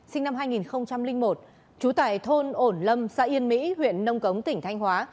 sinh năm hai nghìn một trú tại thôn ổn lâm xã yên mỹ huyện nông cống tỉnh thanh hóa